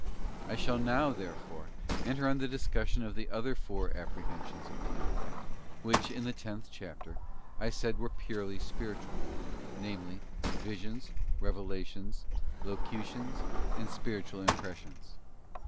I shall now, there fore, enter on the discussion of the other four apprehensions of the intellect, which, in the tenth chapter, I said were purely spiritual—namely, Visions, Revelations, Locutions, and Spiritual Impressions.